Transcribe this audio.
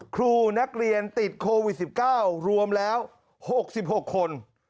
ครูนักเรียนติดโควิด๑๙รวมแล้ว๖๖คน